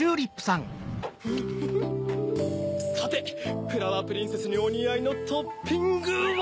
さてフラワープリンセスにおにあいのトッピングは！